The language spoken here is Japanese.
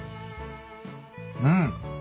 うん。